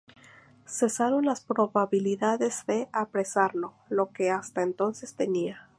Cesaron las probabilidades de apresarlo lo que hasta entonces tenía.